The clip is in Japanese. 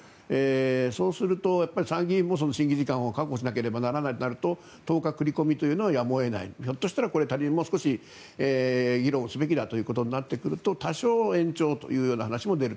そうすると参議院も審議時間を確保しないといけないとなると１０日繰り込みというのはやむを得ないひょっとしたらもう少し議論すべきだということになれば多少延長というような話もある。